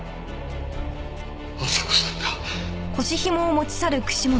朝子さんが。